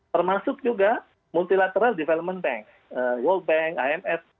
termasuk juga multilateral development bank world bank imf